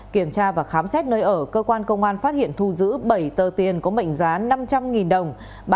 kiểm tra và khám xét nơi ở cơ quan công an phát hiện thu giữ bảy tờ tiền có mệnh giá năm trăm linh đồng